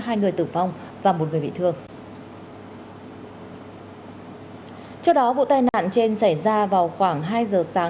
một người tử vong và một người bị thương ừ ừ ở chỗ đó vụ tai nạn trên xảy ra vào khoảng hai giờ sáng